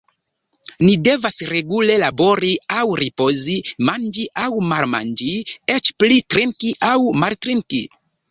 Ni devas regule labori aŭ ripozi, manĝi aŭ malmanĝi, eĉ pli: trinki aŭ maltrinki.